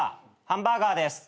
ハンバーガーです。